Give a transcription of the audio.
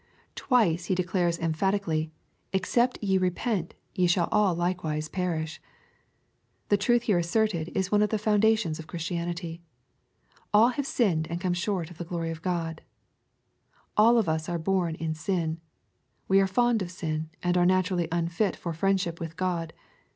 Twice He declares emphatically, " Except /e repent, ye shall all likewise perish." The truth here asserted, is one of the foundations of Christianity. " All have sinned and come short of the glory of God." All of us are born in sin. We are fond of sin, and are naturally unfit for friendship with God.